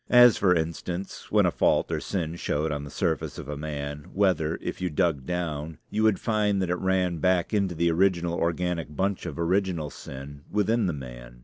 As, for instance, when a fault or sin showed on the surface of a man, whether, if you dug down, you would find that it ran back and into the original organic bunch of original sin within the man.